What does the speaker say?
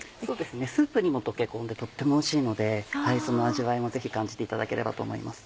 スープにも溶け込んでとってもおいしいのでその味わいもぜひ感じていただければと思います。